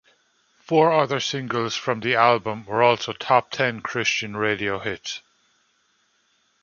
Four other singles from the album were also Top Ten Christian radio hits.